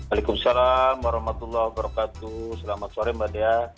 assalamualaikum wr wb selamat sore mbak dea